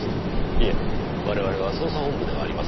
いえ我々は捜査本部ではありません。